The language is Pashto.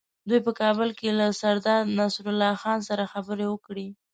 دوی په کابل کې له سردار نصرالله خان سره خبرې وکړې.